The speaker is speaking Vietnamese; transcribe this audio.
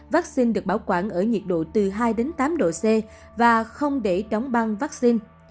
vắc xin được bảo quản ở nhiệt độ từ hai tám độ c và không để đóng băng vắc xin